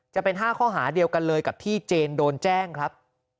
จะเป็น๕ข้อหาเดียวกันเลยกับที่เจนโดนแจ้งครับ